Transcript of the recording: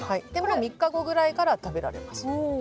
３日後ぐらいから食べられます。